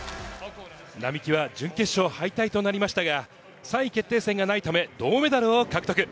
並木は準決勝敗退となりましたが、３位決定戦がないため、銅メダルを獲得。